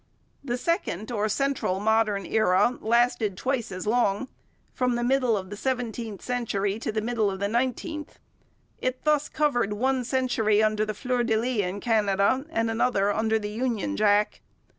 The second, or central, modern era lasted twice as long, from the middle of the seventeenth century to the middle of the nineteenth. It thus covered one century under the Fleurs de lis in Canada and another under the Union Jack.